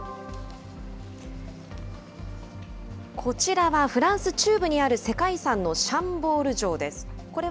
こちらはフランス中部にある世界遺産のシャンボール城です。